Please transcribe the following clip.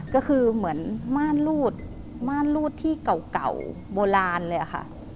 ก็คือเหมือนม่านรูดม่านรูดที่เก่าโบราณเลยค่ะ